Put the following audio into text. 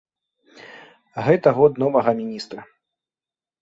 Гэта год новага міністра.